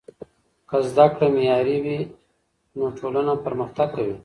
که زده کړه معیاري وي نو ټولنه پرمختګ کوي.